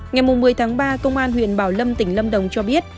ngày một mươi tháng ba công an huyện bảo lâm tỉnh lâm đồng cho biết